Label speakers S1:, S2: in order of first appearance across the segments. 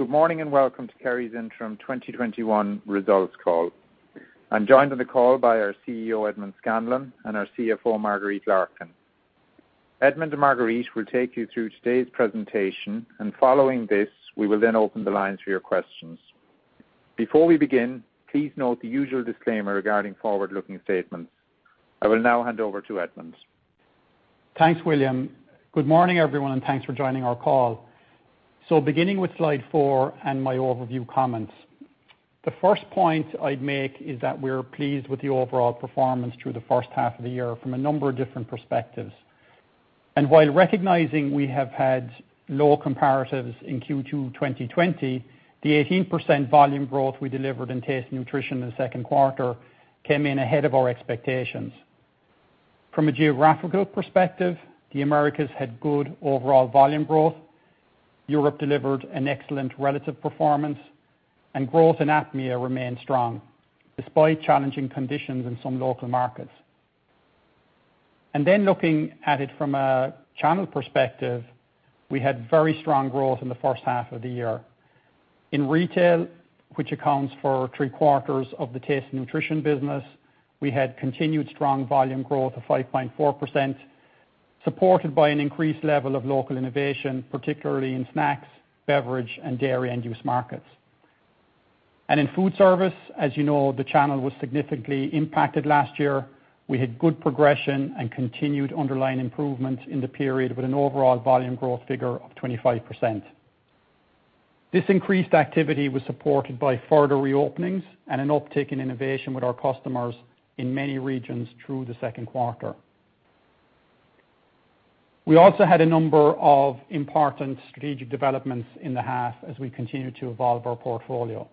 S1: Good morning and welcome to Kerry's Interim 2021 Results Call. I'm joined on the call by our CEO, Edmond Scanlon, and our CFO, Marguerite Larkin. Edmond and Marguerite will take you through today's presentation, and following this, we will then open the lines for your questions. Before we begin, please note the usual disclaimer regarding forward-looking statements. I will now hand over to Edmond.
S2: Thanks, William. Good morning, everyone, and thanks for joining our call. Beginning with slide 4 and my overview comments. The 1st point I'd make is that we're pleased with the overall performance through the 1st half of the year from a number of different perspectives. While recognizing we have had low comparatives in Q2 2020, the 18% volume growth we delivered in Taste & Nutrition in the 2nd quarter came in ahead of our expectations. From a geographical perspective, the Americas had good overall volume growth. Europe delivered an excellent relative performance. Growth in APMEA remained strong despite challenging conditions in some local markets. Looking at it from a channel perspective, we had very strong growth in the 1st half of the year. In retail, which accounts for three-quarters of the Taste & Nutrition business, we had continued strong volume growth of 5.4%, supported by an increased level of local innovation, particularly in snacks, beverage, and dairy end-use markets. In food service, as you know, the channel was significantly impacted last year. We had good progression and continued underlying improvement in the period with an overall volume growth figure of 25%. This increased activity was supported by further reopenings and an uptick in innovation with our customers in many regions through the second quarter. We also had a number of important strategic developments in the half as we continue to evolve our portfolio.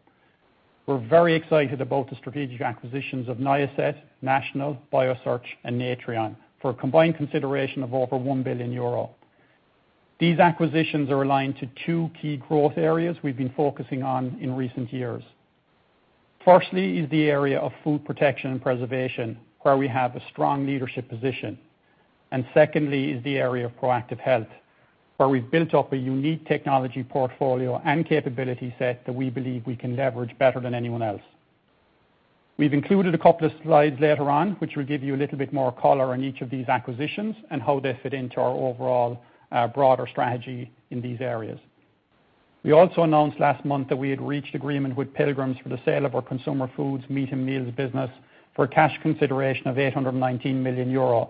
S2: We're very excited about the strategic acquisitions of Niacet, National, Biosearch Life, and Natreon for a combined consideration of over 1 billion euro. These acquisitions are aligned to two key growth areas we've been focusing on in recent years. Firstly is the area of food protection and preservation, where we have a strong leadership position. Secondly is the area of proactive health, where we've built up a unique technology portfolio and capability set that we believe we can leverage better than anyone else. We've included a couple of slides later on, which will give you a little bit more color on each of these acquisitions and how they fit into our overall broader strategy in these areas. We also announced last month that we had reached agreement with Pilgrim's for the sale of our Consumer Foods Meats and Meals business for a cash consideration of 819 million euro.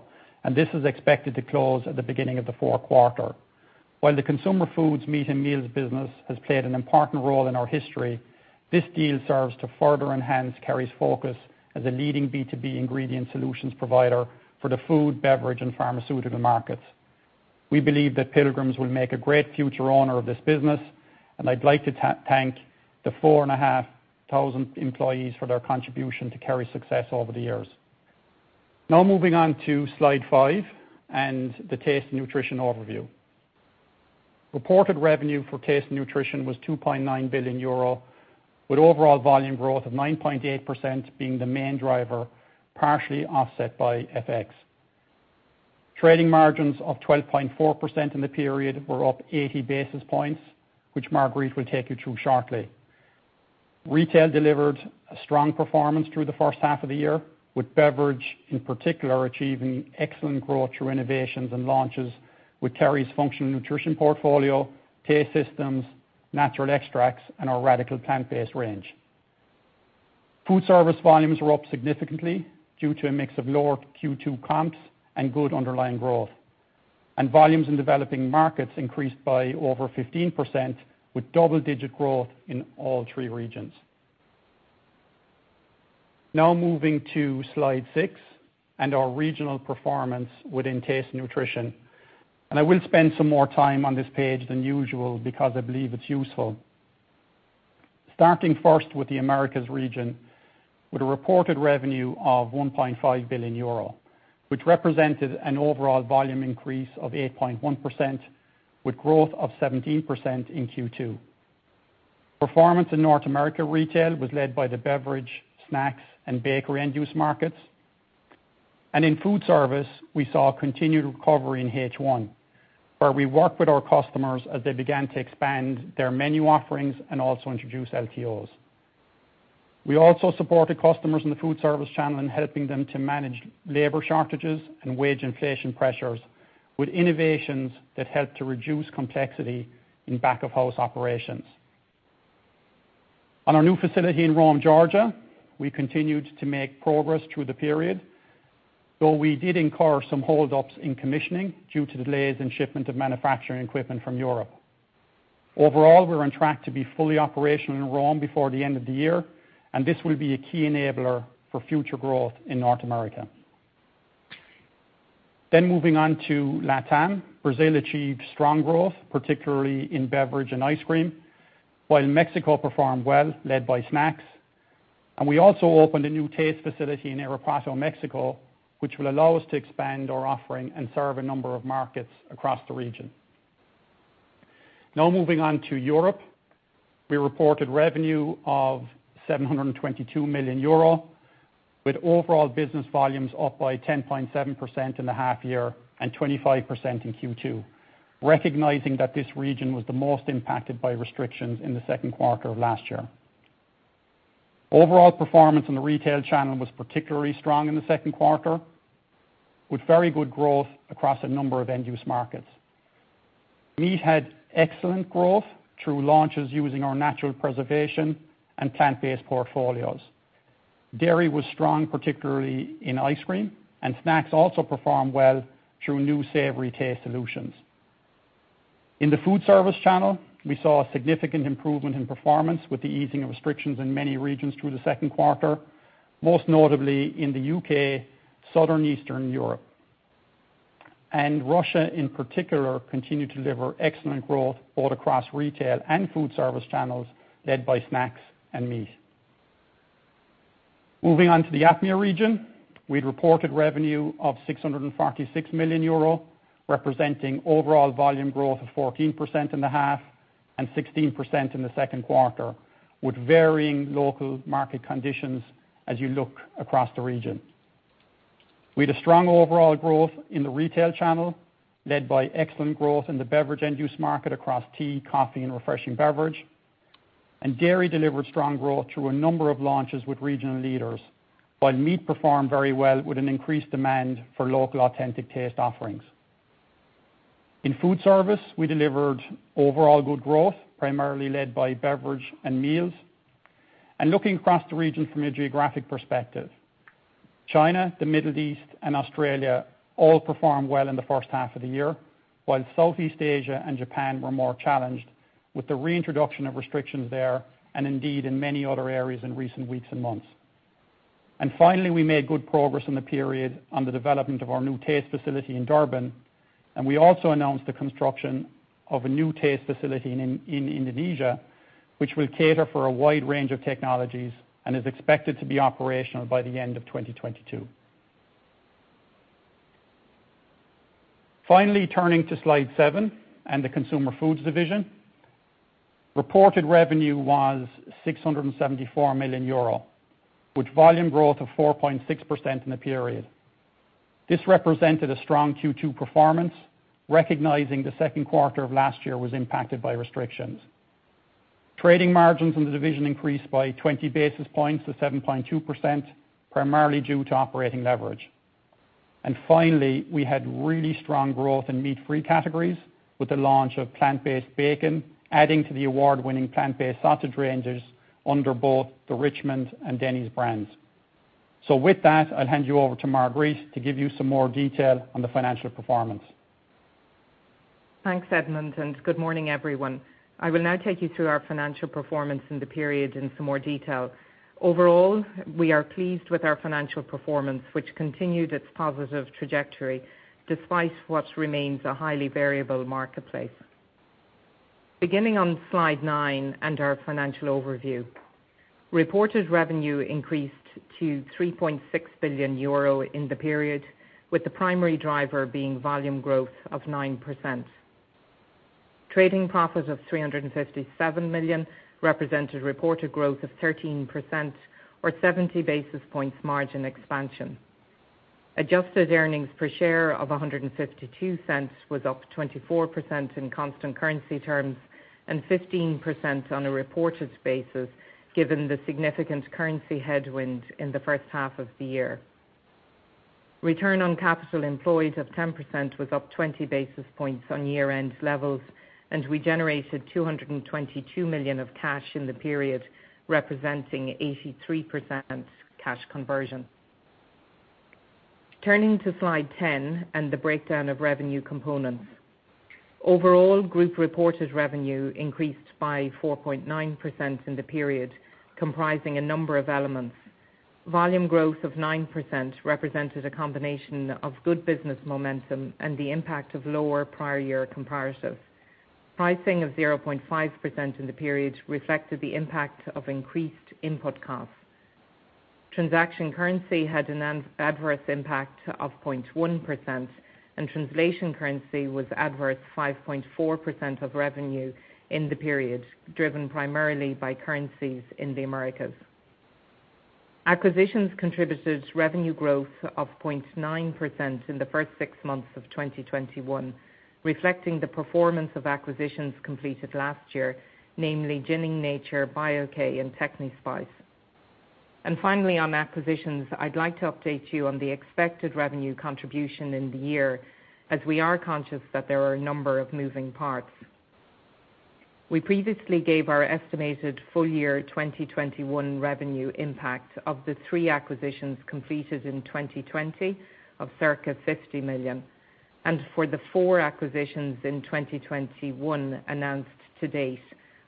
S2: This is expected to close at the beginning of the fourth quarter. While the Consumer Foods' Meats and Meals business has played an important role in our history, this deal serves to further enhance Kerry's focus as a leading B2B ingredient solutions provider for the food, beverage, and pharmaceutical markets. We believe that Pilgrim's will make a great future owner of this business, and I'd like to thank the 4,500 employees for their contribution to Kerry's success over the years. Moving on to slide 5 and the Taste & Nutrition overview. Reported revenue for Taste & Nutrition was 2.9 billion euro, with overall volume growth of 9.8% being the main driver, partially offset by FX. Trading margins of 12.4% in the period were up 80 basis points, which Marguerite will take you through shortly. Retail delivered a strong performance through the first half of the year, with beverage in particular achieving excellent growth through innovations and launches with Kerry's functional nutrition portfolio, TasteSense, natural extracts, and our Radicle plant-based range. Foodservice volumes were up significantly due to a mix of lower Q2 comps and good underlying growth. Volumes in developing markets increased by over 15%, with double-digit growth in all 3 regions. Now moving to slide 6 and our regional performance within Taste & Nutrition. I will spend some more time on this page than usual because I believe it's useful. Starting first with the Americas region, with a reported revenue of 1.5 billion euro, which represented an overall volume increase of 8.1%, with growth of 17% in Q2. Performance in North America retail was led by the beverage, snacks, and bakery end-use markets. In foodservice, we saw continued recovery in H1, where we worked with our customers as they began to expand their menu offerings and also introduce LTOs. We also supported customers in the foodservice channel in helping them to manage labor shortages and wage inflation pressures with innovations that help to reduce complexity in back-of-house operations. On our new facility in Rome, Georgia, we continued to make progress through the period, though we did incur some hold-ups in commissioning due to delays in shipment of manufacturing equipment from Europe. Overall, we're on track to be fully operational in Rome before the end of the year, and this will be a key enabler for future growth in North America. Moving on to LATAM. Brazil achieved strong growth, particularly in beverage and ice cream, while Mexico performed well, led by snacks. We also opened a new taste facility in Irapuato, Mexico, which will allow us to expand our offering and serve a number of markets across the region. Moving on to Europe. We reported revenue of 722 million euro. With overall business volumes up by 10.7% in the half year and 25% in Q2, recognizing that this region was the most impacted by restrictions in the second quarter of last year. Overall performance in the retail channel was particularly strong in the second quarter, with very good growth across a number of end-use markets. Meat had excellent growth through launches using our natural preservation and plant-based portfolios. Dairy was strong, particularly in ice cream, and snacks also performed well through new savory taste solutions. In the foodservice channel, we saw a significant improvement in performance with the easing of restrictions in many regions through the second quarter, most notably in the U.K., Southern and Eastern Europe. Russia, in particular, continued to deliver excellent growth both across retail and foodservice channels, led by snacks and meat. Moving on to the APMEA region, we had reported revenue of 646 million euro, representing overall volume growth of 14% in the half and 16% in the second quarter, with varying local market conditions as you look across the region. We had a strong overall growth in the retail channel, led by excellent growth in the beverage end-use market across tea, coffee, and refreshing beverage. Dairy delivered strong growth through a number of launches with regional leaders, while meat performed very well with an increased demand for local authentic taste offerings. In food service, we delivered overall good growth, primarily led by beverage and meals. Looking across the region from a geographic perspective, China, the Middle East, and Australia all performed well in the first half of the year, while Southeast Asia and Japan were more challenged with the reintroduction of restrictions there, and indeed in many other areas in recent weeks and months. Finally, we made good progress in the period on the development of our new taste facility in Durban, and we also announced the construction of a new taste facility in Indonesia, which will cater for a wide range of technologies and is expected to be operational by the end of 2022. Finally, turning to slide 7 and the Consumer Foods division. Reported revenue was 674 million euro, with volume growth of 4.6% in the period. This represented a strong Q2 performance, recognizing the second quarter of last year was impacted by restrictions. Trading margins in the division increased by 20 basis points to 7.2%, primarily due to operating leverage. Finally, we had really strong growth in meat-free categories with the launch of plant-based bacon, adding to the award-winning plant-based sausage ranges under both the Richmond and Denny brands. With that, I'll hand you over to Marguerite to give you some more detail on the financial performance.
S3: Thanks, Edmond, and good morning, everyone. I will now take you through our financial performance in the period in some more detail. Overall, we are pleased with our financial performance, which continued its positive trajectory despite what remains a highly variable marketplace. Beginning on slide 9 and our financial overview. Reported revenue increased to EUR 3.6 billion in the period, with the primary driver being volume growth of 9%. Trading profit of 357 million represented reported growth of 13% or 70 basis points margin expansion. Adjusted earnings per share of 1.52 was up 24% in constant currency terms and 15% on a reported basis, given the significant currency headwind in the first half of the year. Return on capital employed of 10% was up 20 basis points on year-end levels, and we generated 222 million of cash in the period, representing 83% cash conversion. Turning to slide 10 and the breakdown of revenue components. Overall, group reported revenue increased by 4.9% in the period, comprising a number of elements. Volume growth of 9% represented a combination of good business momentum and the impact of lower prior year comparatives. Pricing of 0.5% in the period reflected the impact of increased input costs. Transaction currency had an adverse impact of 0.1%, and translation currency was adverse 5.4% of revenue in the period, driven primarily by currencies in the Americas. Acquisitions contributed revenue growth of 0.9% in the first 6 months of 2021, reflecting the performance of acquisitions completed last year, namely Jining Nature, Bio-K+, and Tecnispice. Finally on acquisitions, I'd like to update you on the expected revenue contribution in the year as we are conscious that there are a number of moving parts. We previously gave our estimated full year 2021 revenue impact of the 3 acquisitions completed in 2020 of circa 50 million. For the 4 acquisitions in 2021 announced to date,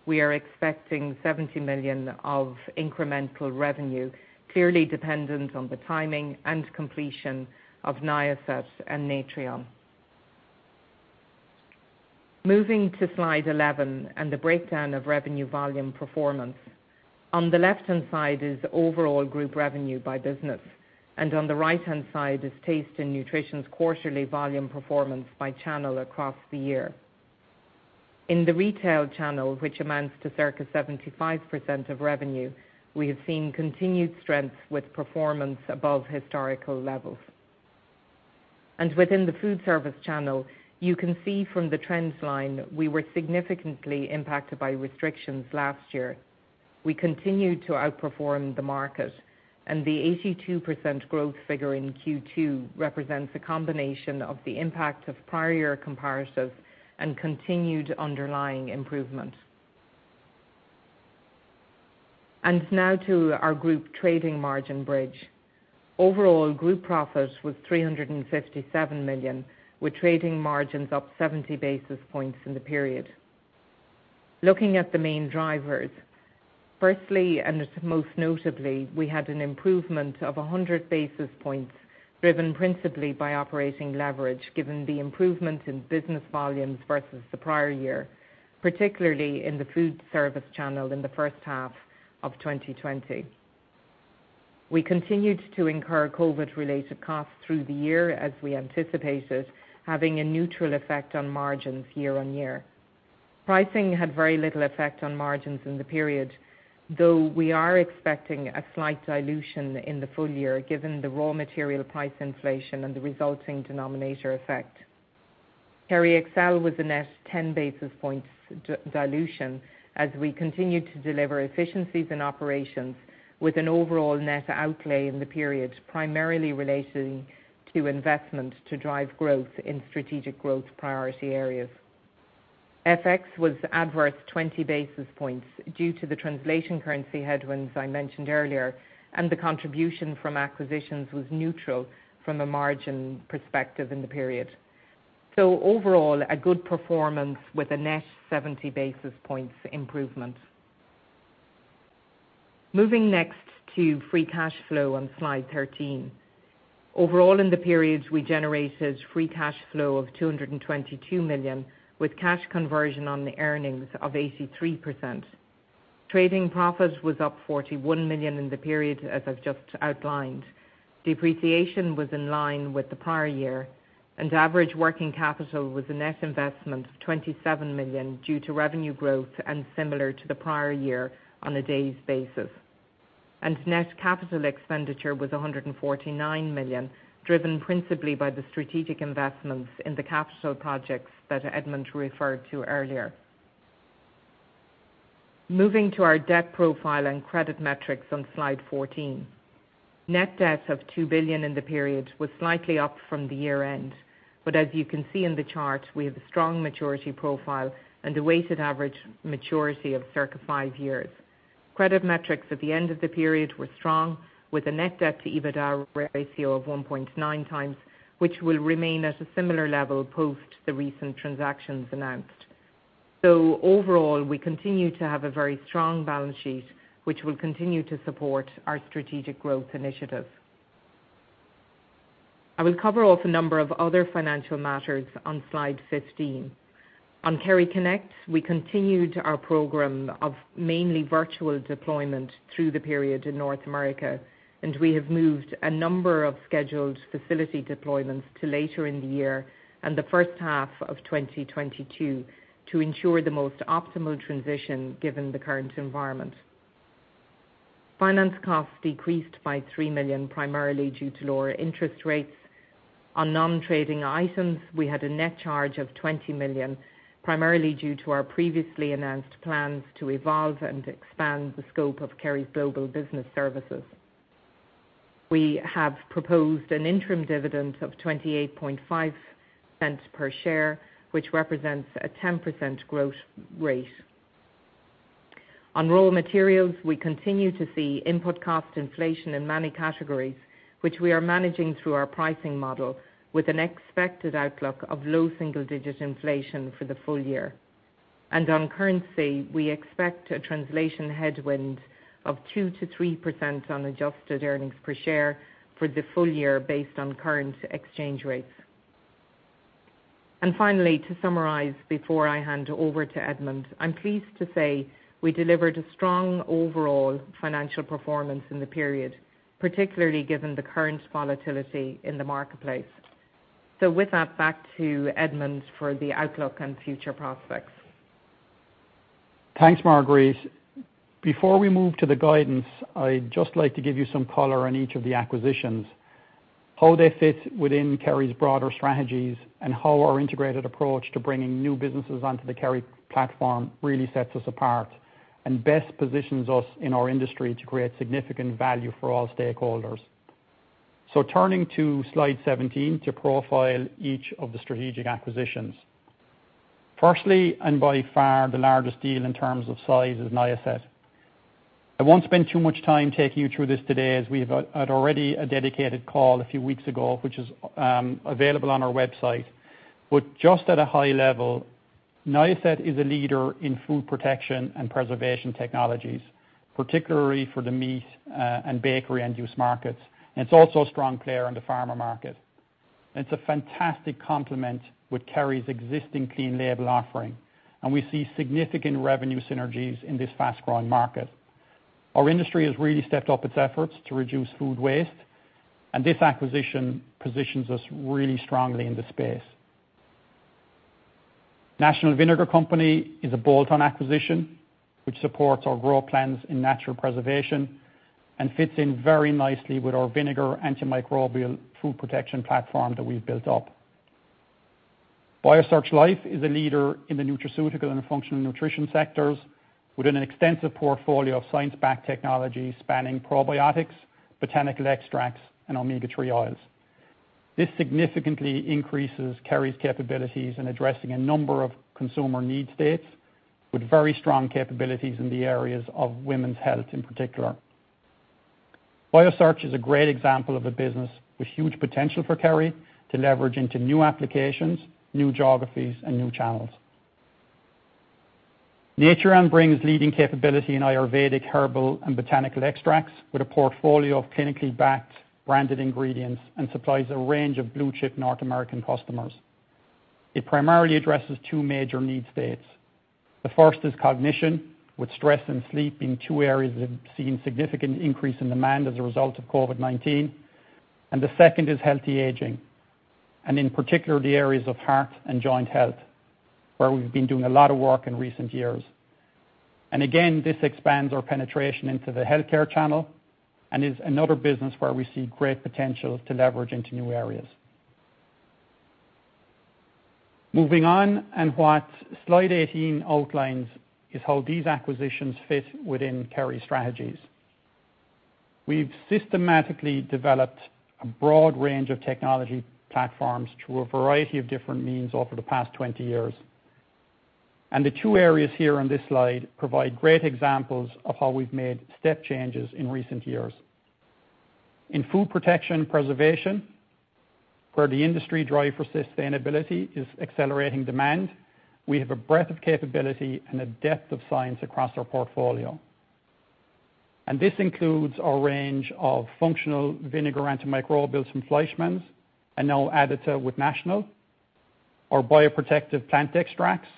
S3: we are expecting 70 million of incremental revenue, clearly dependent on the timing and completion of Niacet and Natreon. Moving to slide 11 and the breakdown of revenue volume performance. On the left-hand side is overall group revenue by business, and on the right-hand side is Taste & Nutrition's quarterly volume performance by channel across the year. In the retail channel, which amounts to circa 75% of revenue, we have seen continued strength with performance above historical levels. Within the food service channel, you can see from the trends line, we were significantly impacted by restrictions last year. We continued to outperform the market, the 82% growth figure in Q2 represents a combination of the impact of prior year comparatives and continued underlying improvement. Now to our group trading margin bridge. Overall, group profit was 357 million, with trading margins up 70 basis points in the period. Looking at the main drivers, firstly and most notably, we had an improvement of 100 basis points, driven principally by operating leverage, given the improvement in business volumes versus the prior year, particularly in the food service channel in the first half of 2020. We continued to incur COVID related costs through the year as we anticipated, having a neutral effect on margins year-over-year. Pricing had very little effect on margins in the period, though we are expecting a slight dilution in the full year given the raw material price inflation and the resulting denominator effect. KerryExcel was a net 10 basis points dilution as we continued to deliver efficiencies in operations with an overall net outlay in the period, primarily relating to investment to drive growth in strategic growth priority areas. FX was adverse 20 basis points due to the translation currency headwinds I mentioned earlier, and the contribution from acquisitions was neutral from a margin perspective in the period. Overall, a good performance with a net 70 basis points improvement. Moving next to free cash flow on slide 13. Overall in the period we generated free cash flow of 222 million, with cash conversion on the earnings of 83%. Trading profit was up 41 million in the period, as I've just outlined. Depreciation was in line with the prior year. Average working capital was a net investment of 27 million due to revenue growth and similar to the prior year on a days basis. Net capital expenditure was 149 million, driven principally by the strategic investments in the capital projects that Edmond referred to earlier. Moving to our debt profile and credit metrics on slide 14. Net debt of 2 billion in the period was slightly up from the year-end. As you can see in the chart, we have a strong maturity profile and a weighted average maturity of circa 5 years. Credit metrics at the end of the period were strong, with a net debt to EBITDA ratio of 1.9 times, which will remain at a similar level post the recent transactions announced. Overall, we continue to have a very strong balance sheet, which will continue to support our strategic growth initiative. I will cover off a number of other financial matters on slide 15. On KerryConnect, we continued our program of mainly virtual deployment through the period in North America, and we have moved a number of scheduled facility deployments to later in the year and the first half of 2022 to ensure the most optimal transition, given the current environment. Finance costs decreased by 3 million, primarily due to lower interest rates. On non-trading items, we had a net charge of 20 million, primarily due to our previously announced plans to evolve and expand the scope of Kerry's Global Business Services. We have proposed an interim dividend of 0.285 per share, which represents a 10% growth rate. On raw materials, we continue to see input cost inflation in many categories, which we are managing through our pricing model with an expected outlook of low single-digit inflation for the full year. On currency, we expect a translation headwind of 2%-3% on adjusted earnings per share for the full year based on current exchange rates. Finally, to summarize, before I hand over to Edmond, I'm pleased to say we delivered a strong overall financial performance in the period, particularly given the current volatility in the marketplace. With that, back to Edmond for the outlook and future prospects.
S2: Thanks, Marguerite. Before we move to the guidance, I'd just like to give you some color on each of the acquisitions, how they fit within Kerry's broader strategies, and how our integrated approach to bringing new businesses onto the Kerry platform really sets us apart and best positions us in our industry to create significant value for all stakeholders. Turning to slide 17 to profile each of the strategic acquisitions. Firstly, by far the largest deal in terms of size is Niacet. I won't spend too much time taking you through this today, as we had already a dedicated call a few weeks ago, which is available on our website. Just at a high level, Niacet is a leader in food protection and preservation technologies, particularly for the meat and bakery end use markets. It's also a strong player in the pharma market. It's a fantastic complement with Kerry's existing clean label offering, and we see significant revenue synergies in this fast-growing market. Our industry has really stepped up its efforts to reduce food waste, and this acquisition positions us really strongly in this space. National Vinegar Company is a bolt-on acquisition which supports our growth plans in natural preservation and fits in very nicely with our vinegar antimicrobial food protection platform that we've built up. Biosearch Life is a leader in the nutraceutical and functional nutrition sectors with an extensive portfolio of science-backed technology spanning probiotics, botanical extracts, and omega-3 oils. This significantly increases Kerry's capabilities in addressing a number of consumer need states with very strong capabilities in the areas of women's health in particular. Biosearch is a great example of a business with huge potential for Kerry to leverage into new applications, new geographies, and new channels. Natreon brings leading capability in Ayurvedic herbal and botanical extracts with a portfolio of clinically backed branded ingredients and supplies a range of blue-chip North American customers. It primarily addresses 2 major need states. The 1st is cognition, with stress and sleep being 2 areas that have seen significant increase in demand as a result of COVID-19. The 2nd is healthy aging, and in particular, the areas of heart and joint health, where we've been doing a lot of work in recent years. Again, this expands our penetration into the healthcare channel and is another business where we see great potential to leverage into new areas. Moving on, what Slide 18 outlines is how these acquisitions fit within Kerry strategies. We've systematically developed a broad range of technology platforms through a variety of different means over the past 20 years. The 2 areas here on this slide provide great examples of how we've made step changes in recent years. In food protection preservation, where the industry drive for sustainability is accelerating demand, we have a breadth of capability and a depth of science across our portfolio. This includes our range of functional vinegar antimicrobials from Fleischmann's, and now added to with National, our bio-protective plant extracts,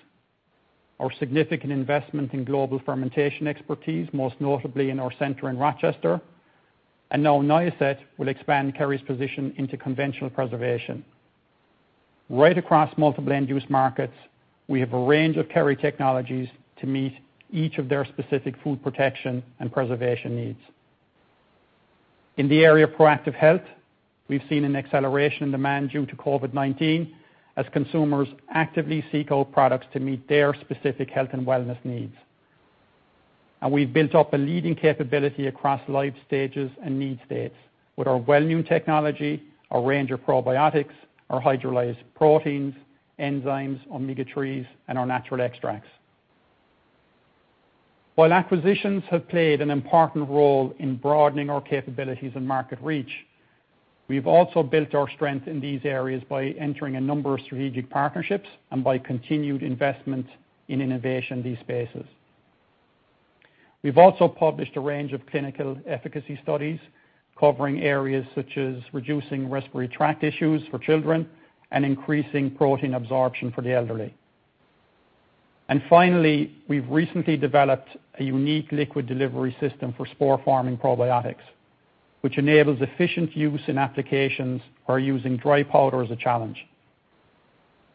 S2: our significant investment in global fermentation expertise, most notably in our center in Rochester. Now Niacet will expand Kerry's position into conventional preservation. Right across multiple end-use markets, we have a range of Kerry technologies to meet each of their specific food protection and preservation needs. In the area of proactive health, we've seen an acceleration in demand due to COVID-19 as consumers actively seek out products to meet their specific health and wellness needs. We've built up a leading capability across life stages and need states with our Wellmune technology, our range of probiotics, our hydrolyzed proteins, enzymes, omega-3s, and our natural extracts. While acquisitions have played an important role in broadening our capabilities and market reach, we've also built our strength in these areas by entering a number of strategic partnerships and by continued investment in innovation in these spaces. We've also published a range of clinical efficacy studies covering areas such as reducing respiratory tract issues for children and increasing protein absorption for the elderly. Finally, we've recently developed a unique liquid delivery system for spore-forming probiotics, which enables efficient use in applications where using dry powder is a challenge.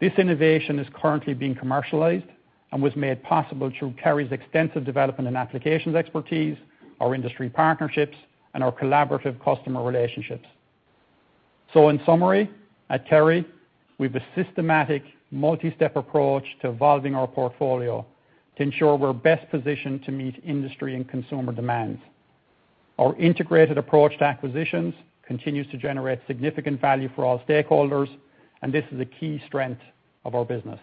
S2: This innovation is currently being commercialized and was made possible through Kerry's extensive development and applications expertise, our industry partnerships, and our collaborative customer relationships. In summary, at Kerry, we've a systematic multi-step approach to evolving our portfolio to ensure we're best positioned to meet industry and consumer demands. Our integrated approach to acquisitions continues to generate significant value for all stakeholders, and this is a key strength of our business.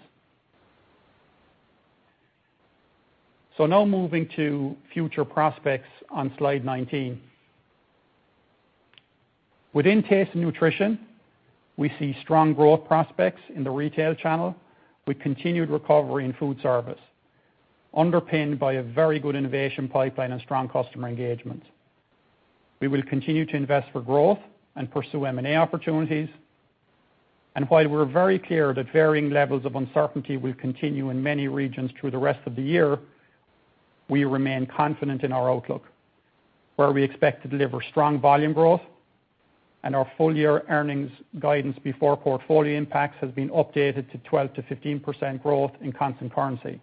S2: Now moving to future prospects on Slide 19. Within Taste & Nutrition, we see strong growth prospects in the retail channel with continued recovery in foodservice, underpinned by a very good innovation pipeline and strong customer engagement. We will continue to invest for growth and pursue M&A opportunities. While we're very clear that varying levels of uncertainty will continue in many regions through the rest of the year, we remain confident in our outlook, where we expect to deliver strong volume growth and our full year earnings guidance before portfolio impacts has been updated to 12%-15% growth in constant currency.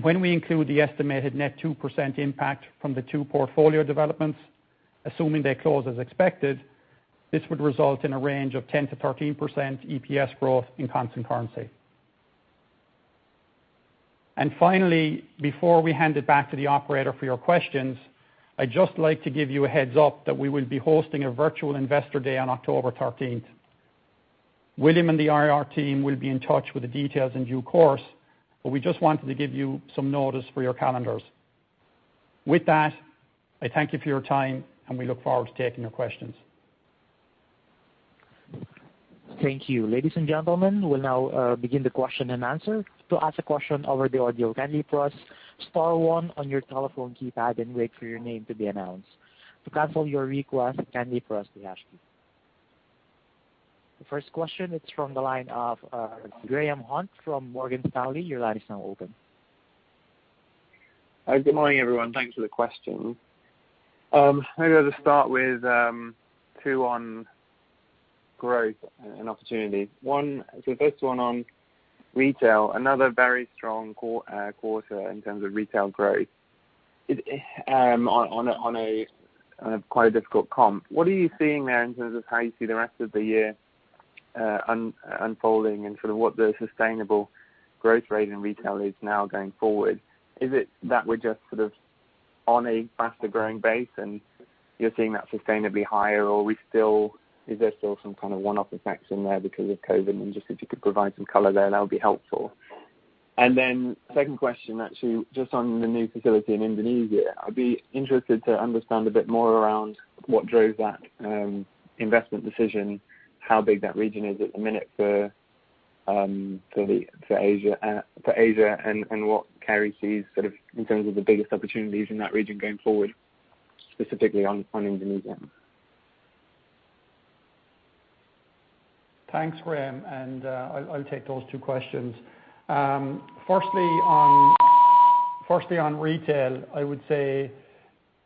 S2: When we include the estimated net 2% impact from the two portfolio developments, assuming they close as expected, this would result in a range of 10%-13% EPS growth in constant currency. Finally, before we hand it back to the operator for your questions, I'd just like to give you a heads up that we will be hosting a virtual investor day on October 13th. William and the IR team will be in touch with the details in due course, but we just wanted to give you some notice for your calendars. With that, I thank you for your time, and we look forward to taking your questions.
S4: Thank you. Ladies and gentlemen, we will now begin the question and answer. To ask a question over the audio, please press star 1 on your telephone keypad and wait for your name to be announced. To cancel your request, please press hash. The first question is from the line of Graham Hunt from Morgan Stanley. Your line is now open.
S5: Good morning, everyone. Thanks for the question. Maybe I'll just start with two on growth and opportunity. The first one on retail, another very strong quarter in terms of retail growth on a quite difficult comp. What are you seeing there in terms of how you see the rest of the year unfolding and sort of what the sustainable growth rate in retail is now going forward? Is it that we're just sort of on a faster-growing base and you're seeing that sustainably higher, or is there still some kind of one-off effects in there because of COVID? Just if you could provide some color there, that would be helpful. Second question, actually, just on the new facility in Indonesia, I'd be interested to understand a bit more around what drove that investment decision, how big that region is at the minute for Asia, and what Kerry sees sort of in terms of the biggest opportunities in that region going forward, specifically on Indonesia?
S2: Thanks, Graham. I'll take those two questions. Firstly on retail, I would say,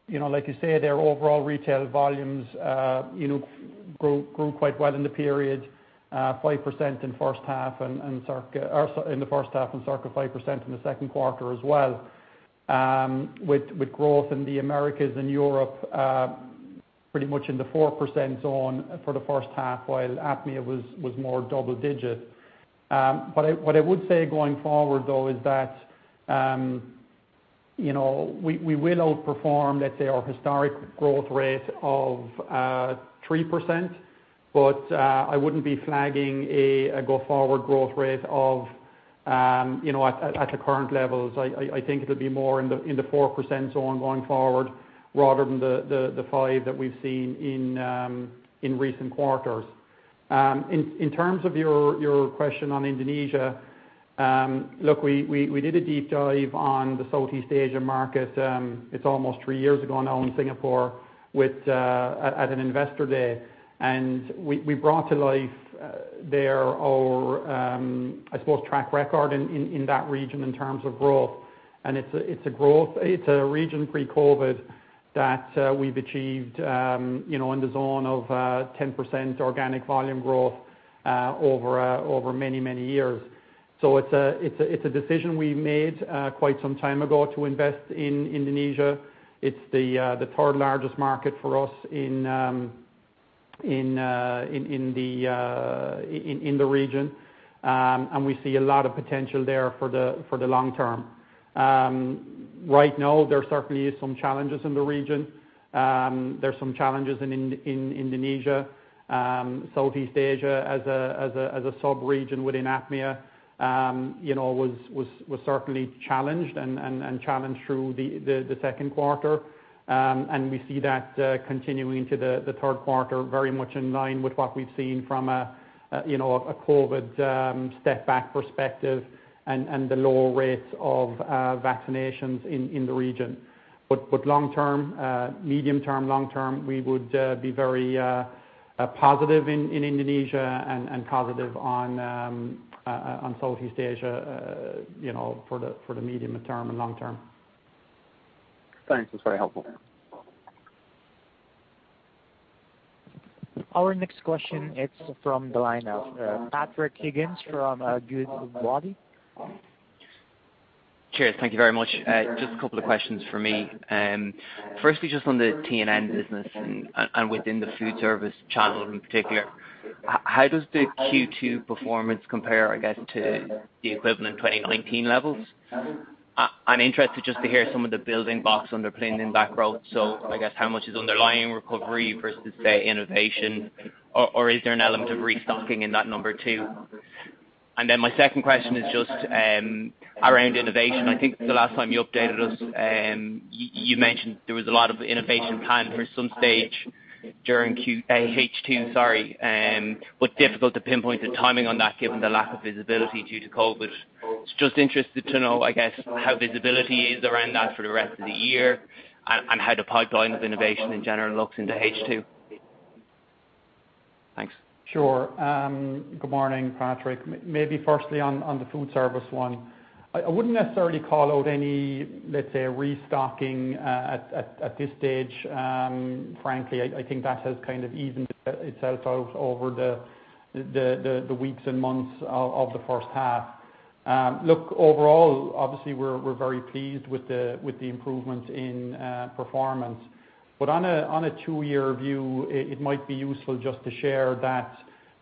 S2: like you say, their overall retail volumes grew quite well in the period, 5% in the first half and circa 5% in the second quarter as well. With growth in the Americas and Europe pretty much in the 4% zone for the first half, while APMEA was more double-digit. What I would say going forward, though, is that we will outperform, let's say, our historic growth rate of 3%, but I wouldn't be flagging a go-forward growth rate at the current levels. I think it'll be more in the 4% zone going forward rather than the 5% that we've seen in recent quarters. In terms of your question on Indonesia, look, we did a deep dive on the Southeast Asia market. It's almost 3 years ago now in Singapore at an investor day. We brought to life there our I suppose track record in that region in terms of growth. It's a region pre-COVID that we've achieved in the zone of 10% organic volume growth over many, many years. It's a decision we made quite some time ago to invest in Indonesia. It's the third largest market for us in the region. We see a lot of potential there for the long term. Right now, there certainly is some challenges in the region. There's some challenges in Indonesia. Southeast Asia as a sub-region within APMEA was certainly challenged and challenged through the second quarter. We see that continuing to the third quarter very much in line with what we've seen from a COVID step back perspective and the lower rates of vaccinations in the region. Medium term, long term, we would be very positive in Indonesia and positive on Southeast Asia for the medium term and long term.
S5: Thanks. That's very helpful.
S4: Our next question is from the line of Patrick Higgins from Goodbody.
S6: Cheers. Thank you very much. Just a couple of questions for me. Firstly, just on the T&N business and within the food service channel in particular. How does the Q2 performance compare, I guess, to the equivalent 2019 levels? I'm interested just to hear some of the building blocks underpinning that growth. I guess how much is underlying recovery versus, say, innovation? Is there an element of restocking in that number, too? My second question is just around innovation. I think the last time you updated us, you mentioned there was a lot of innovation planned for some stage during H2, sorry. Difficult to pinpoint a timing on that given the lack of visibility due to COVID. Was just interested to know, I guess, how visibility is around that for the rest of the year and how the pipeline of innovation in general looks into H2. Thanks.
S2: Sure. Good morning, Patrick. Maybe firstly on the food service one. I wouldn't necessarily call out any, let's say, restocking at this stage. Frankly, I think that has kind of evened itself out over the weeks and months of the first half. Look, overall, obviously, we're very pleased with the improvements in performance. On a 2-year view, it might be useful just to share that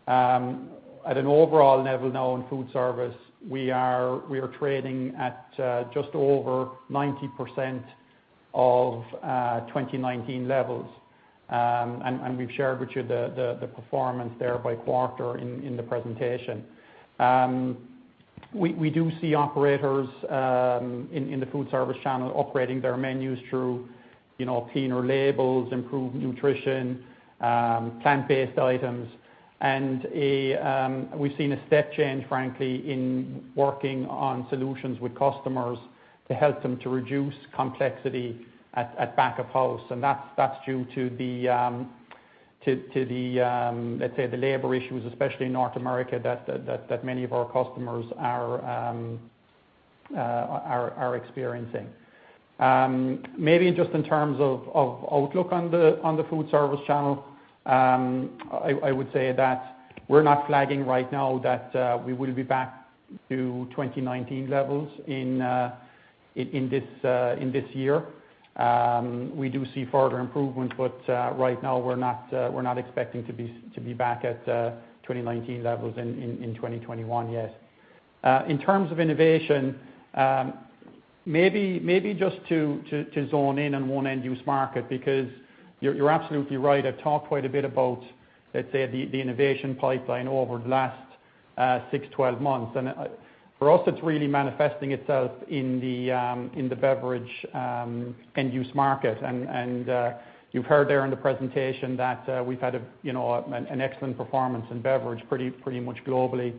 S2: at an overall level now in food service, we are trading at just over 90% of 2019 levels. We've shared with you the performance there by quarter in the presentation. We do see operators in the food service channel upgrading their menus through cleaner labels, improved nutrition, plant-based items. We've seen a step change, frankly, in working on solutions with customers to help them to reduce complexity at back of house. That's due to the, let's say, the labor issues, especially in North America, that many of our customers are experiencing. Maybe just in terms of outlook on the foodservice channel, I would say that we're not flagging right now that we will be back to 2019 levels in this year. We do see further improvement, but right now we're not expecting to be back at 2019 levels in 2021 yet. In terms of innovation, maybe just to zone in on one end-use market, because you're absolutely right. I've talked quite a bit about, let's say, the innovation pipeline over the last 6, 12 months. For us, it's really manifesting itself in the beverage end-use market. You've heard there in the presentation that we've had an excellent performance in beverage pretty much globally,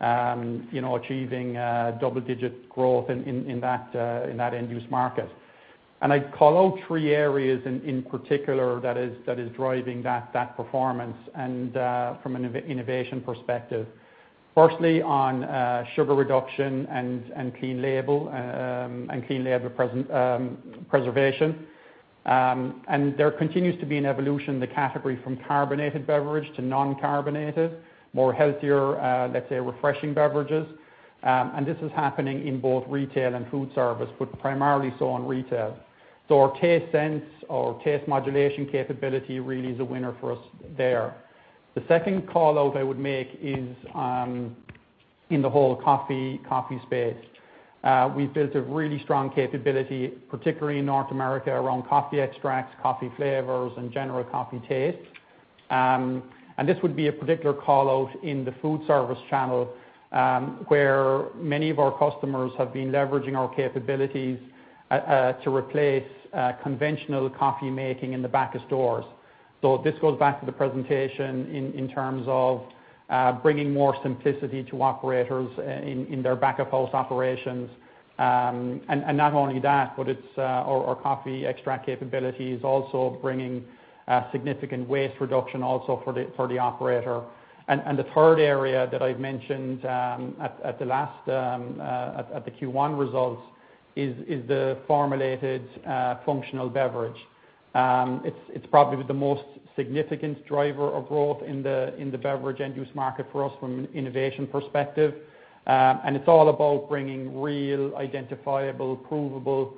S2: achieving double-digit growth in that end-use market. I'd call out 3 areas in particular that is driving that performance from an innovation perspective. Firstly, on sugar reduction and clean label preservation. There continues to be an evolution in the category from carbonated beverage to non-carbonated, more healthier let's say, refreshing beverages. This is happening in both retail and food service, but primarily so in retail. Our TasteSense, our taste modulation capability really is a winner for us there. The second callout I would make is in the whole coffee space. We've built a really strong capability, particularly in North America, around coffee extracts, coffee flavors, and general coffee taste. This would be a particular callout in the food service channel, where many of our customers have been leveraging our capabilities to replace conventional coffee making in the back of stores. This goes back to the presentation in terms of bringing more simplicity to operators in their back-of-house operations. Not only that, our coffee extract capability is also bringing significant waste reduction also for the operator. The third area that I've mentioned at the Q1 results is the formulated functional beverage. It's probably the most significant driver of growth in the beverage end-use market for us from an innovation perspective. It's all about bringing real, identifiable, provable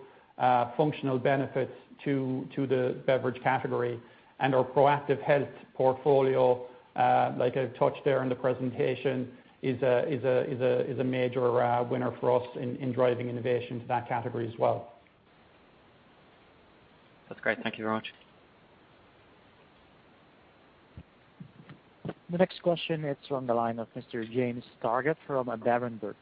S2: functional benefits to the beverage category. Our proactive health portfolio, like I touched there in the presentation, is a major winner for us in driving innovation to that category as well.
S6: That's great. Thank you very much.
S4: The next question is on the line of Mr. James Targett from Berenberg.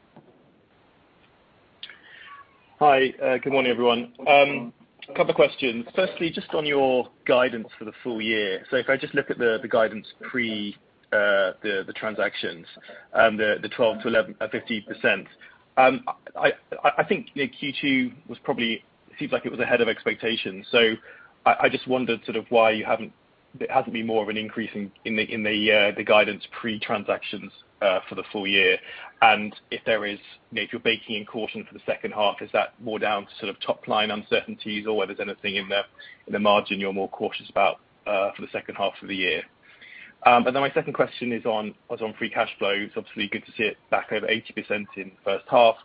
S7: Hi, good morning everyone. A couple questions. Firstly, just on your guidance for the full year. If I just look at the guidance pre the transactions, the 12%-15%. I think Q2 probably seems like it was ahead of expectations. I just wondered why there hasn't been more of an increase in the guidance pre-transactions for the full year. If you're baking in caution for the second half, is that more down to top line uncertainties or whether there's anything in the margin you're more cautious about for the second half of the year? My second question is on free cash flows. Obviously, good to see it back over 80% in the first half.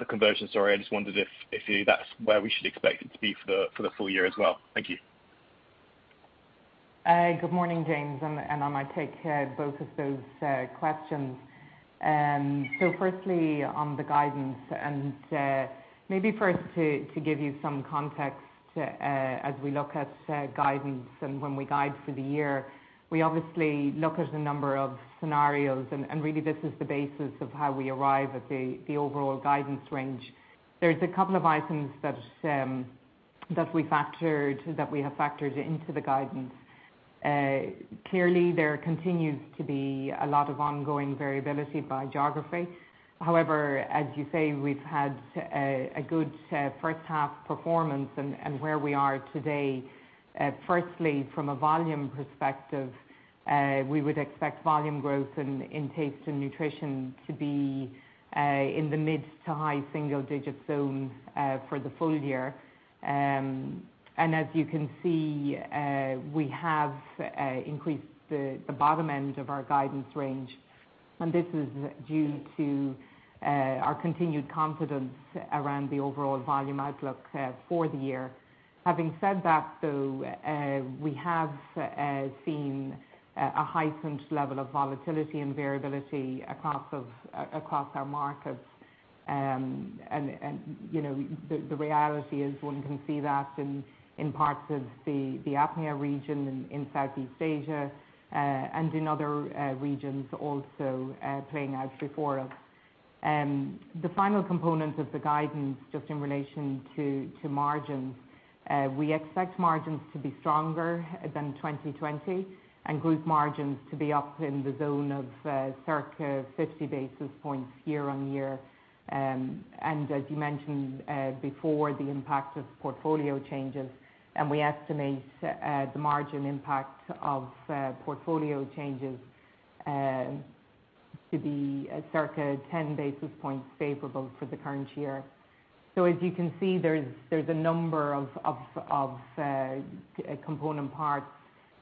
S7: The conversion story, I just wondered if that's where we should expect it to be for the full year as well. Thank you.
S2: Good morning, James. I might take both of those questions. Firstly, on the guidance, maybe first to give you some context as we look at guidance and when we guide for the year, we obviously look at a number of scenarios and really this is the basis of how we arrive at the overall guidance range. There's a couple of items that we have factored into the guidance. Clearly, there continues to be a lot of ongoing variability by geography. However, as you say, we've had a good first half performance and where we are today. Firstly, from a volume perspective, we would expect volume growth in Taste & Nutrition to be in the mid-to-high single-digit zone for the full year. As you can see, we have increased the bottom end of our guidance range. This is due to our continued confidence around the overall volume outlook for the year. Having said that, though, we have seen a heightened level of volatility and variability across our markets. The reality is one can see that in parts of the APMEA region in Southeast Asia, and in other regions also playing out before us. The final component of the guidance, just in relation to margin, we expect margins to be stronger than 2020 and group margins to be up in the zone of circa 50 basis points year on year. As you mentioned before, the impact of portfolio changes, and we estimate the margin impact of portfolio changes
S3: To be circa 10 basis points favorable for the current year. As you can see, there's a number of component parts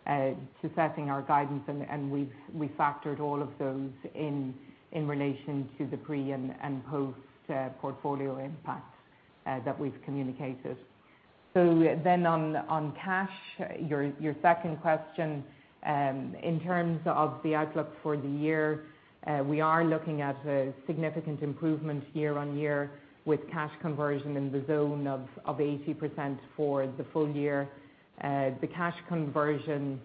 S3: to setting our guidance, and we've factored all of those in relation to the pre- and post-portfolio impacts that we've communicated. On cash, your second question, in terms of the outlook for the year, we are looking at a significant improvement year-on-year with cash conversion in the zone of 80% for the full year. The cash conversion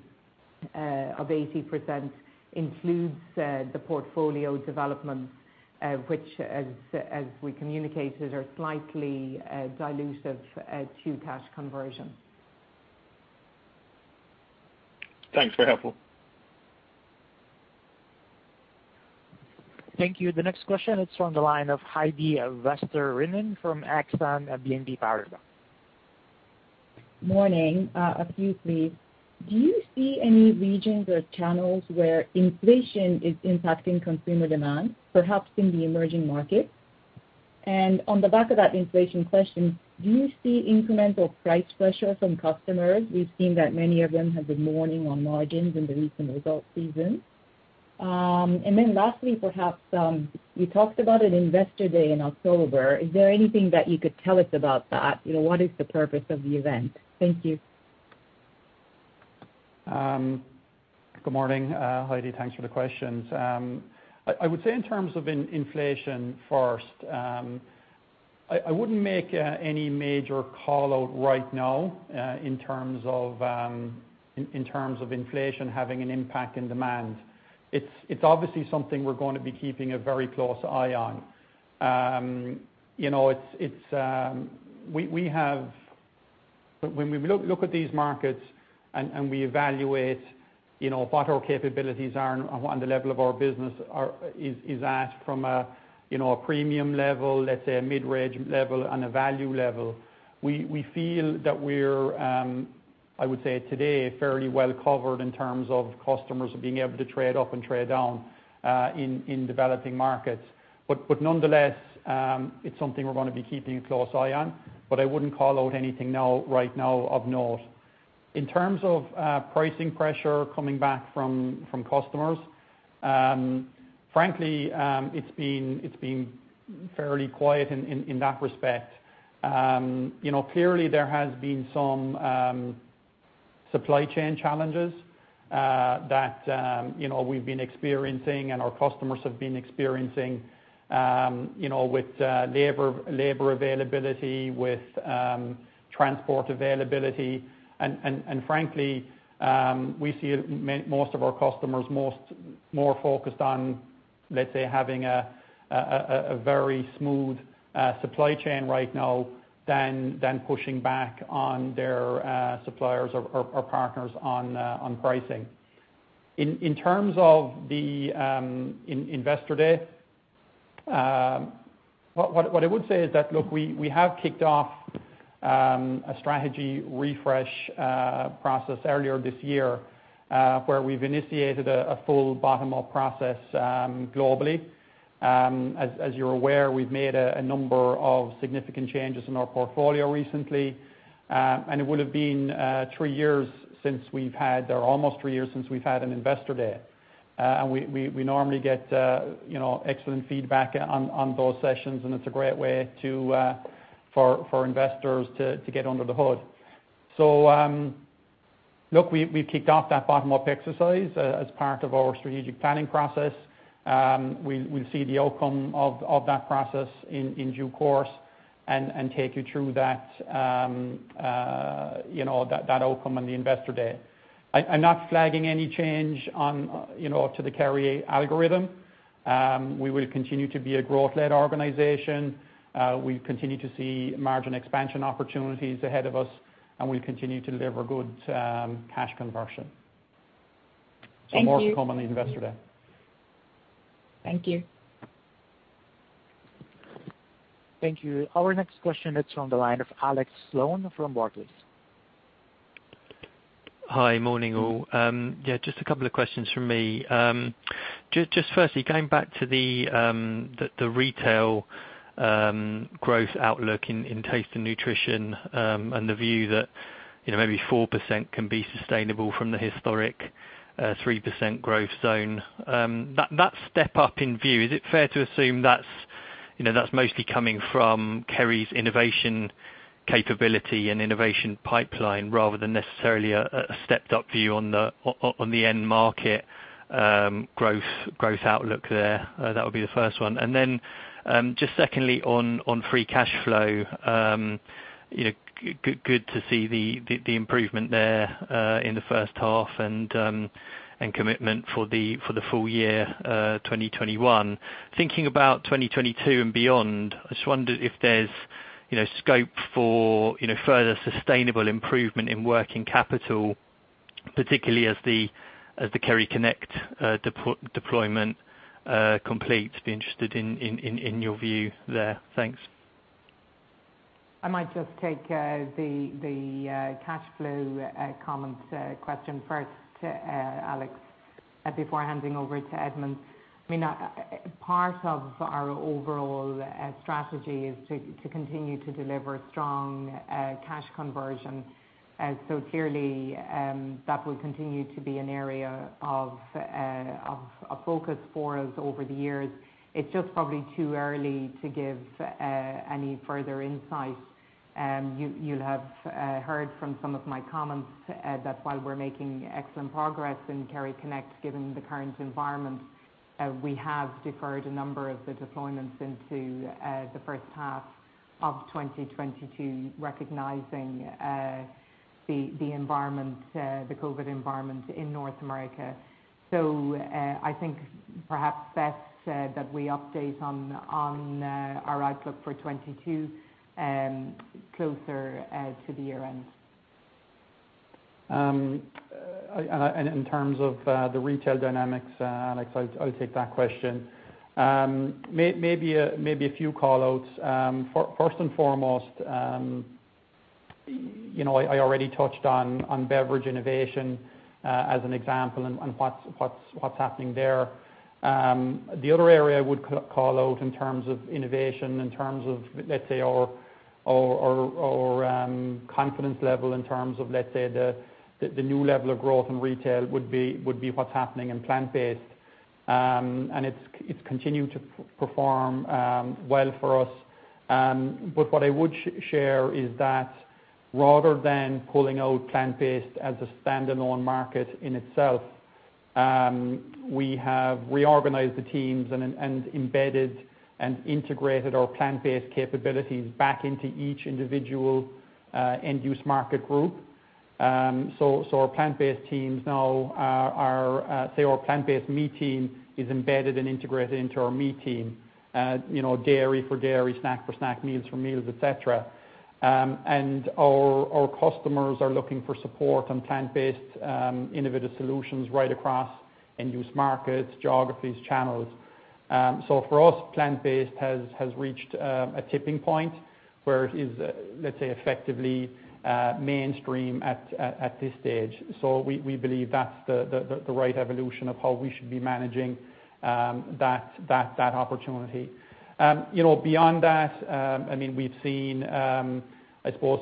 S3: of 80% includes the portfolio development, which as we communicated, are slightly dilutive to cash conversion.
S7: Thanks. Very helpful.
S4: Thank you. The next question is from the line of Heidi Vesterinen from Exane and BNP Paribas.
S8: Morning. A few, please. Do you see any regions or channels where inflation is impacting consumer demand, perhaps in the emerging markets? On the back of that inflation question, do you see incremental price pressure from customers? We've seen that many of them have been warning on margins in the recent result season. Lastly, perhaps, you talked about an investor day in October. Is there anything that you could tell us about that? What is the purpose of the event? Thank you.
S2: Good morning, Heidi. Thanks for the questions. I would say in terms of inflation first, I wouldn't make any major callout right now in terms of inflation having an impact in demand. It's obviously something we're going to be keeping a very close eye on. When we look at these markets and we evaluate what our capabilities are and the level of our business is at from a premium level, let's say a mid-range level and a value level, we feel that we're, I would say today, fairly well covered in terms of customers being able to trade up and trade down in developing markets. Nonetheless, it's something we're going to be keeping a close eye on. I wouldn't call out anything right now of note. In terms of pricing pressure coming back from customers, frankly, it's been fairly quiet in that respect. Clearly, there has been some supply chain challenges that we've been experiencing and our customers have been experiencing with labor availability, with transport availability. Frankly, we see most of our customers more focused on, let's say, having a very smooth supply chain right now than pushing back on their suppliers or partners on pricing. In terms of the investor day, what I would say is that, look, we have kicked off a strategy refresh process earlier this year, where we've initiated a full bottom-up process globally. As you're aware, we've made a number of significant changes in our portfolio recently, and it would have been 3 years since we've had, or almost 3 years since we've had an investor day. We normally get excellent feedback on those sessions, and it's a great way for investors to get under the hood. Look, we've kicked off that bottom-up exercise as part of our strategic planning process. We'll see the outcome of that process in due course and take you through that outcome on the investor day. I'm not flagging any change to the Kerry algorithm. We will continue to be a growth-led organization. We continue to see margin expansion opportunities ahead of us, and we'll continue to deliver good cash conversion.
S8: Thank you.
S2: More to come on the investor day.
S8: Thank you.
S4: Thank you. Our next question is from the line of Alexander Sloane from Barclays.
S9: Hi. Morning, all. Yeah, just 2 questions from me. Firstly, going back to the retail growth outlook in Taste & Nutrition, and the view that maybe 4% can be sustainable from the historic 3% growth zone. That step up in view, is it fair to assume that's mostly coming from Kerry's innovation capability and innovation pipeline rather than necessarily a stepped up view on the end market growth outlook there? That would be the first one. Secondly, on free cash flow. Good to see the improvement there in H1 and commitment for the FY 2021. Thinking about 2022 and beyond, I just wondered if there's scope for further sustainable improvement in working capital, particularly as the KerryConnect deployment completes. Be interested in your view there. Thanks.
S3: I might just take the cash flow comments question first, Alex, before handing over to Edmund. Part of our overall strategy is to continue to deliver strong cash conversion. Clearly, that will continue to be an area of focus for us over the years. It's just probably too early to give any further insight. You'll have heard from some of my comments that while we're making excellent progress in KerryConnect, given the current environment, we have deferred a number of the deployments into the first half of 2022, recognizing the COVID environment in North America. I think perhaps best that we update on our outlook for 2022 closer to the year-end.
S2: In terms of the retail dynamics, Alex, I'll take that question. Maybe a few call-outs. First and foremost, I already touched on beverage innovation as an example and what's happening there. The other area I would call out in terms of innovation, in terms of, let's say, our confidence level in terms of the new level of growth in retail would be what's happening in plant-based. It's continuing to perform well for us. What I would share is that rather than pulling out plant-based as a standalone market in itself, we have reorganized the teams and embedded and integrated our plant-based capabilities back into each individual end-use market group. Our plant-based teams now are, say our plant-based meat team is embedded and integrated into our meat team. Dairy for dairy, snack for snack, meals for meals, et cetera. Our customers are looking for support on plant-based innovative solutions right across end-use markets, geographies, channels. For us, plant-based has reached a tipping point, where it is effectively mainstream at this stage. We believe that's the right evolution of how we should be managing that opportunity. Beyond that, we've seen, I suppose,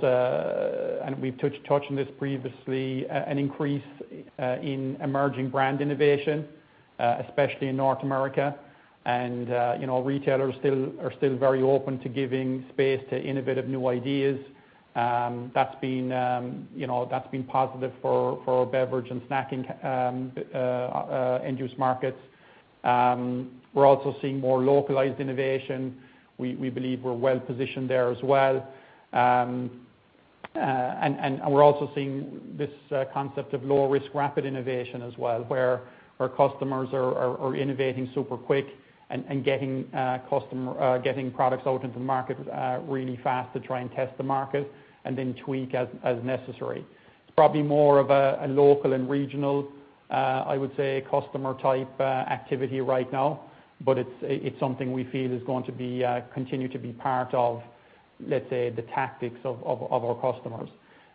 S2: and we've touched on this previously, an increase in emerging brand innovation, especially in North America. Retailers are still very open to giving space to innovative new ideas. That's been positive for our beverage and snacking end-use markets. We're also seeing more localized innovation. We believe we're well positioned there as well. We're also seeing this concept of low-risk, rapid innovation as well, where our customers are innovating super quick and getting products out into the market really fast to try and test the market, and then tweak as necessary. It's probably more of a local and regional, I would say, customer type activity right now, but it's something we feel is going to continue to be part of the tactics of our customers.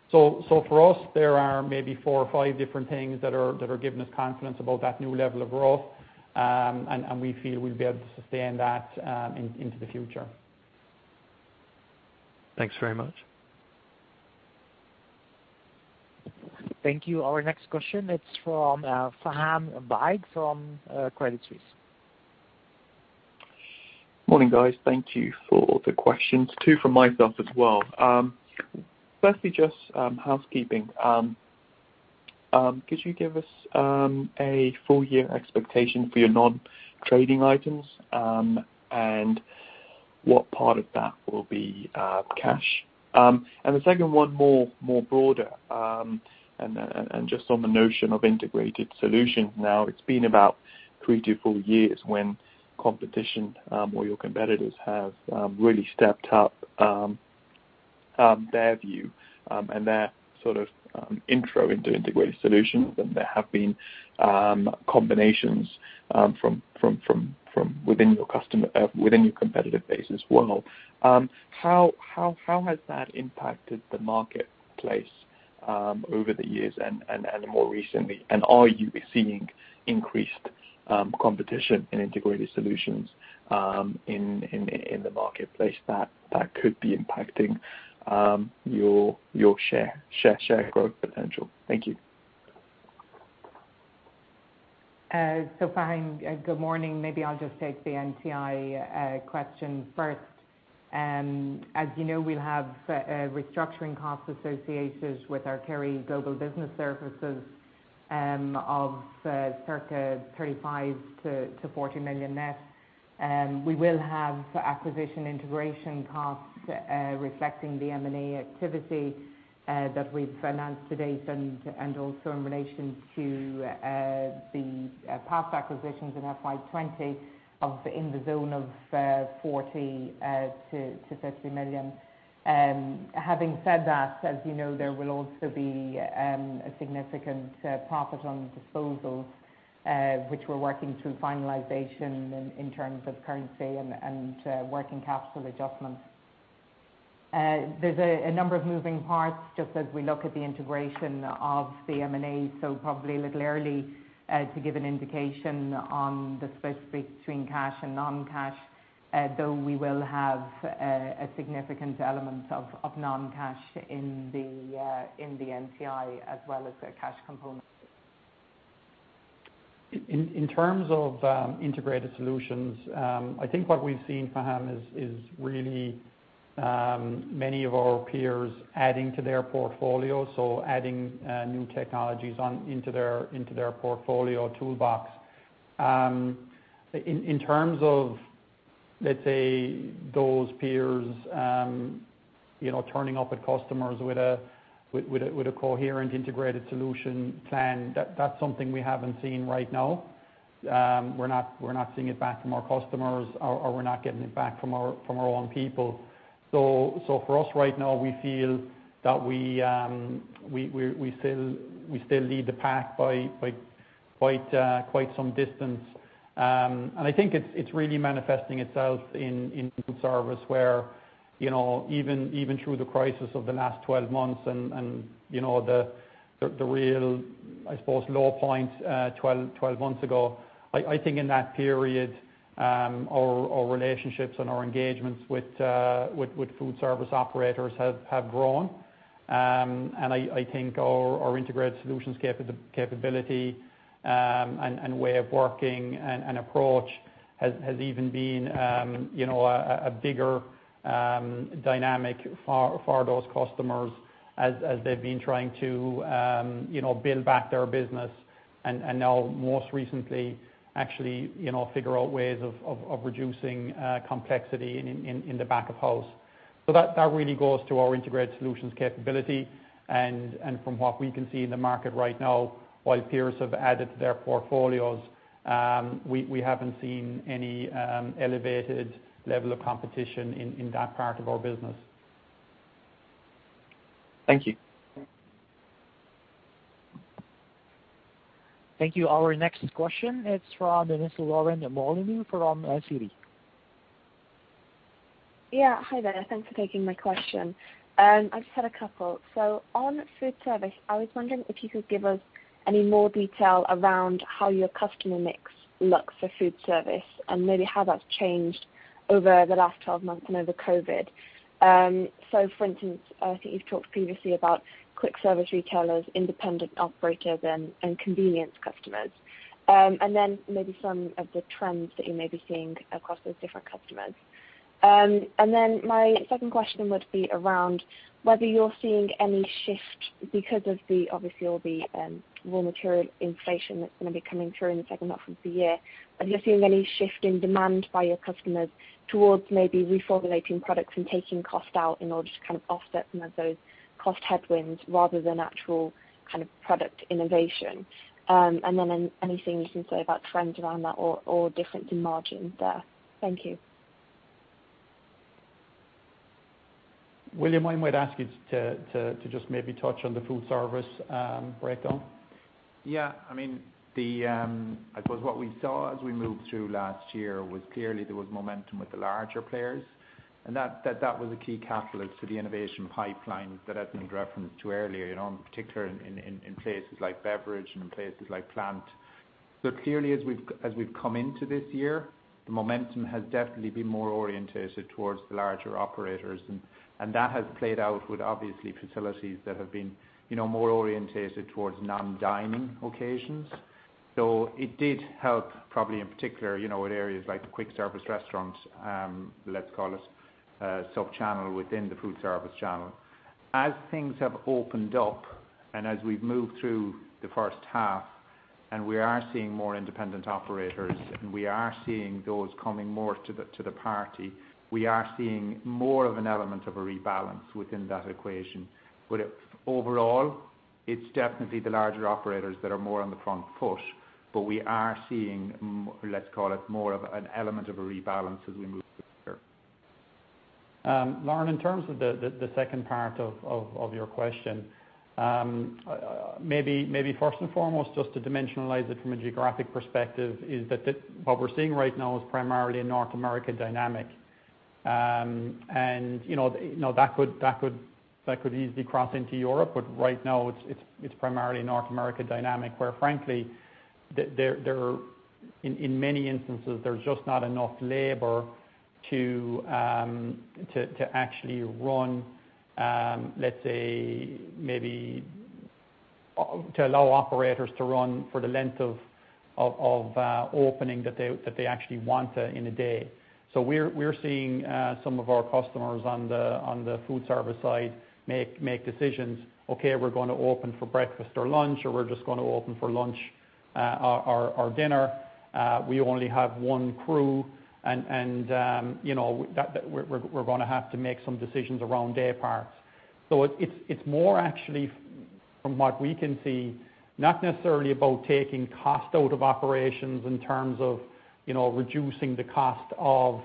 S2: For us, there are maybe four or five different things that are giving us confidence about that new level of growth, and we feel we'll be able to sustain that into the future.
S9: Thanks very much.
S4: Thank you. Our next question, it's from Faham Baig from Credit Suisse.
S10: Morning, guys. Thank you for the questions. Two from myself as well. Firstly, just housekeeping. Could you give us a full year expectation for your non-trading items? What part of that will be cash? The second one more broader, and just on the notion of integrated solutions now. It's been about 3-4 years when competition or your competitors have really stepped up their view and their sort of intro into integrated solutions, and there have been combinations from within your competitive base as well. How has that impacted the marketplace over the years and more recently? Are you seeing increased competition in integrated solutions in the marketplace that could be impacting your share growth potential? Thank you.
S3: Faham, good morning. Maybe I'll just take the NTI question first. As you know, we'll have restructuring costs associated with our Kerry Global Business Services of circa 35 million-40 million net. We will have acquisition integration costs reflecting the M&A activity that we've announced to date and also in relation to the past acquisitions in FY 2020 of in the zone of 40 million-50 million. Having said that, as you know, there will also be a significant profit on disposal, which we're working through finalization in terms of currency and working capital adjustments. There's a number of moving parts just as we look at the integration of the M&A. Probably a little early to give an indication on the split between cash and non-cash, though we will have a significant element of non-cash in the NTI as well as a cash component.
S2: In terms of integrated solutions, I think what we've seen, Faham, is really many of our peers adding to their portfolio, so adding new technologies into their portfolio toolbox. In terms of, let's say, those peers turning up at customers with a coherent, integrated solution plan, that's something we haven't seen right now. We're not seeing it back from our customers, or we're not getting it back from our own people. For us, right now, we feel that we still lead the pack by quite some distance. I think it's really manifesting itself in food service where even through the crisis of the last 12 months and the real, I suppose, low point, 12 months ago, I think in that period, our relationships and our engagements with food service operators have grown. I think our integrated solutions capability and way of working and approach has even been a bigger dynamic for those customers as they've been trying to build back their business and now most recently actually figure out ways of reducing complexity in the back of house. That really goes to our integrated solutions capability. From what we can see in the market right now, while peers have added to their portfolios, we haven't seen any elevated level of competition in that part of our business.
S10: Thank you.
S4: Thank you. Our next question is from Vanessa Lau from Citi.
S11: Yeah, hi there. Thanks for taking my question. I just had a couple. On food service, I was wondering if you could give us any more detail around how your customer mix looks for food service and maybe how that's changed over the last 12 months and over COVID. For instance, I think you've talked previously about quick service retailers, independent operators, and convenience customers. Maybe some of the trends that you may be seeing across those different customers. My second question would be around whether you're seeing any shift because of the, obviously, all the raw material inflation that's going to be coming through in the second half of the year. Are you seeing any shift in demand by your customers towards maybe reformulating products and taking cost out in order to kind of offset some of those cost headwinds rather than actual kind of product innovation? Anything you can say about trends around that or difference in margin there. Thank you.
S2: William, I might ask you to just maybe touch on the food service breakdown.
S1: I suppose what we saw as we moved through last year was clearly there was momentum with the larger players, and that was a key catalyst to the innovation pipeline that I think referenced to earlier, in particular in places like beverage and in places like plant. Clearly as we've come into this year, the momentum has definitely been more orientated towards the larger operators. That has played out with obviously facilities that have been more orientated towards non-dining occasions. It did help probably in particular, in areas like quick service restaurants, let's call it sub-channel within the food service channel. As things have opened up and as we've moved through the first half and we are seeing more independent operators, and we are seeing those coming more to the party, we are seeing more of an element of a rebalance within that equation. Overall, it's definitely the larger operators that are more on the front foot, but we are seeing, let's call it, more of an element of a rebalance as we move through here.
S2: Vanessa Lau, in terms of the second part of your question, maybe first and foremost, just to dimensionalize it from a geographic perspective, is that what we're seeing right now is primarily a North America dynamic. That could easily cross into Europe, but right now it's primarily a North America dynamic where frankly, in many instances, there's just not enough labor to actually run, let's say maybe to allow operators to run for the length of opening that they actually want in a day. We're seeing some of our customers on the food service side make decisions, "Okay, we're going to open for breakfast or lunch," or, "We're just going to open for lunch or dinner. We only have one crew, and we're going to have to make some decisions around day parts. It's more actually from what we can see, not necessarily about taking cost out of operations in terms of reducing the cost of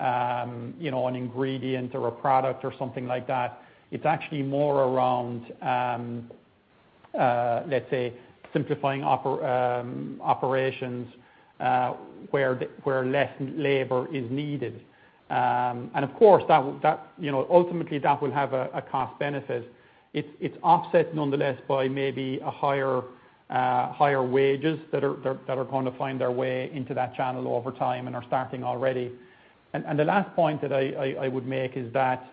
S2: an ingredient or a product or something like that. It's actually more around. Let's say simplifying operations where less labor is needed. Of course, ultimately that will have a cost benefit. It's offset nonetheless by maybe higher wages that are going to find their way into that channel over time and are starting already. The last point that I would make is that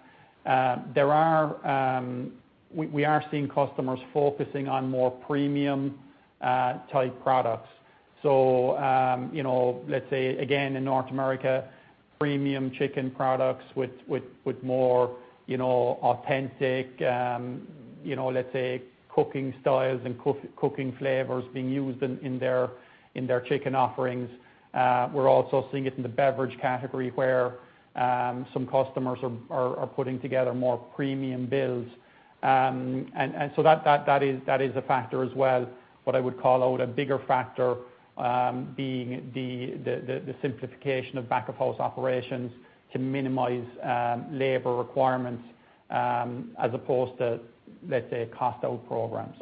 S2: we are seeing customers focusing on more premium type products. Let's say again, in North America, premium chicken products with more authentic let's say cooking styles and cooking flavors being used in their chicken offerings. We're also seeing it in the beverage category where some customers are putting together more premium bills. That is a factor as well, but I would call out a bigger factor being the simplification of back-of-house operations to minimize labor requirements as opposed to, let's say, cost out programs.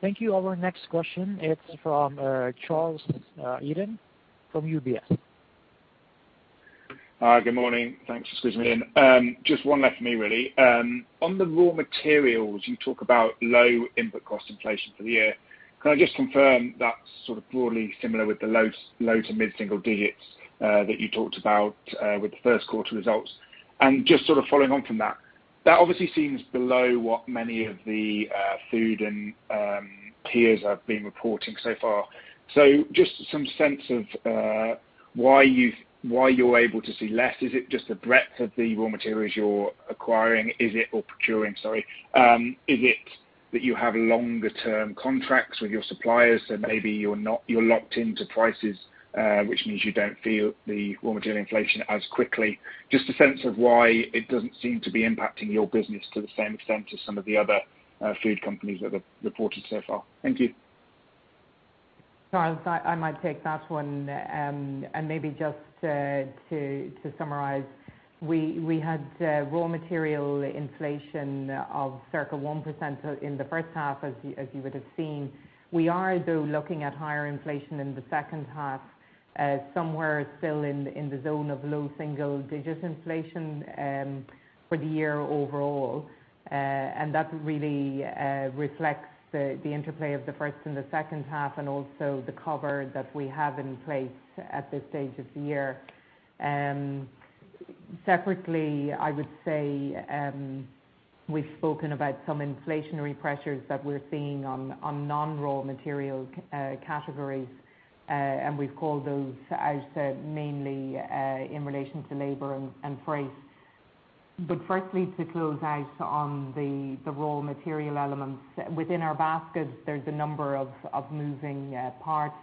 S4: Thank you. Our next question, it is from Charles Eden from UBS.
S12: Hi. Good morning. Thanks for squeezing me in. Just one left for me, really. On the raw materials, you talk about low input cost inflation for the year. Can I just confirm that is sort of broadly similar with the low to mid-single digits that you talked about with the first quarter results? Just sort of following on from that obviously seems below what many of the food and peers have been reporting so far. Just some sense of why you are able to see less. Is it just the breadth of the raw materials you are acquiring or procuring, sorry? Is it that you have longer term contracts with your suppliers, so maybe you are locked into prices, which means you do not feel the raw material inflation as quickly? Just a sense of why it doesn't seem to be impacting your business to the same extent as some of the other food companies that have reported so far? Thank you.
S3: Charles, I might take that one. Maybe just to summarize, we had raw material inflation of circa 1% in the first half as you would have seen. We are though looking at higher inflation in the second half, somewhere still in the zone of low single digits inflation for the year overall. That really reflects the interplay of the first and the second half and also the cover that we have in place at this stage of the year. Separately, I would say, we've spoken about some inflationary pressures that we're seeing on non-raw material categories, and we've called those out mainly in relation to labor and freight. Firstly, to close out on the raw material elements within our basket, there's a number of moving parts.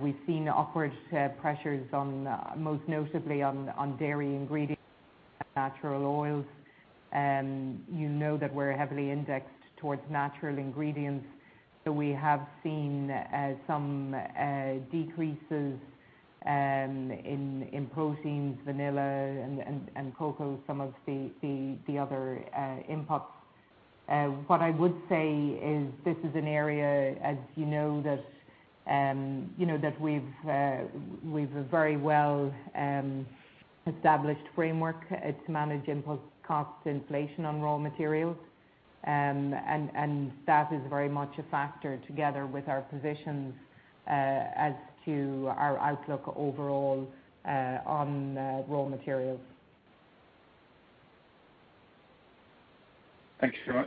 S3: We've seen upward pressures on most notably on dairy ingredients and natural oils. You know that we're heavily indexed towards natural ingredients. We have seen some decreases in proteins, vanilla and cocoa, some of the other inputs. What I would say is this is an area as you know that we've very well established framework to manage input cost inflation on raw materials. That is very much a factor together with our positions as to our outlook overall on raw materials.
S12: Thanks very much.